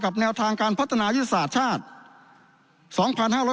กับแนวทางการพัฒนายุธิศาสตร์ชาติสองพันห้าร้อย